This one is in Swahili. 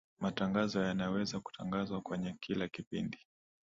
matangazo yanaweza kutangazwa kwenye kila kipindi